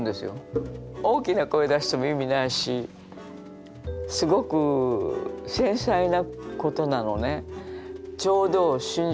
大きな声出しても意味ないしすごく繊細なことなのね。